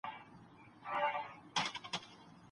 تېر وخت تېر سو، راتلونکي ته وګورئ.